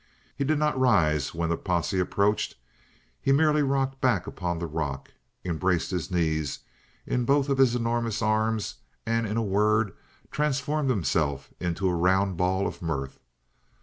He did not rise when the posse approached. He merely rocked back upon the rock, embraced his knees in both of his enormous arms, and, in a word, transformed himself into a round ball of mirth.